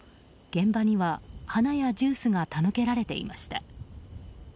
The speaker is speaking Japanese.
現場には花やジュースが手向けられていました。